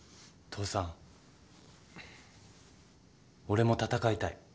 父さん俺も戦いたい。